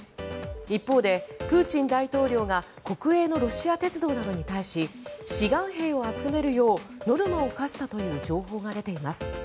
一方で、プーチン大統領が国営のロシア鉄道などに対し志願兵を集めるようノルマを課したという情報が出ています。